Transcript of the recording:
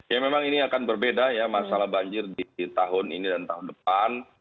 ya memang ini akan berbeda ya masalah banjir di tahun ini dan tahun depan